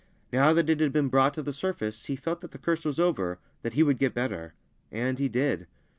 Now that it had been brought to the surface, he felt that the curse was over, that he would get better ; and he did.